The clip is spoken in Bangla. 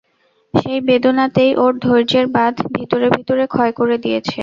সেই বেদনাতেই ওঁর ধৈর্যের বাঁধ ভিতরে ভিতরে ক্ষয় করে দিয়েছে।